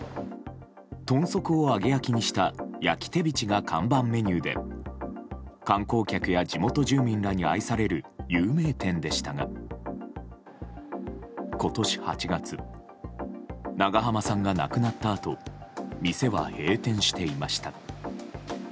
豚足を揚げ焼きにした焼きテビチが看板メニューで観光客や地元住民らに愛される有名店でしたが今年８月長濱さんが亡くなったあと店は閉店していました。